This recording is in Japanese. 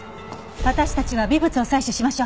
私たちは微物を採取しましょう。